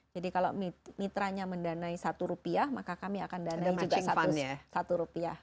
jadi kalau mitranya mendanai satu rupiah maka kami akan danai juga satu rupiah